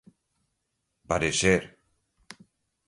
parecer